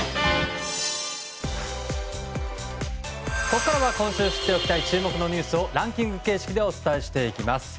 ここからは今週知っておきたい注目のニュースをランキング形式でお伝えしていきます。